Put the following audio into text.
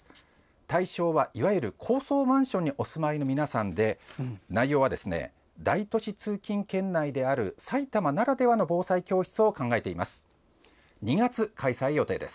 対象は、いわゆる高層マンションにお住まいの皆さんで内容は、大都市通勤圏内である埼玉ならではの防災教室を考えています。